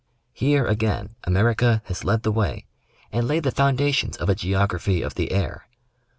Here again America has led the way, and laid the foundations of a Geography of the Air.